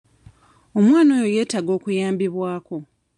Omwana oyo yeetaaga okuyambibwako.